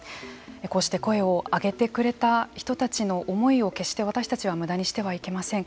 こうして声を上げてくれた人たちの思いを決して私たちは無駄にしてはいけません。